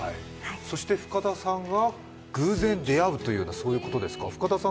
そして深田さんは偶然出会うということですか？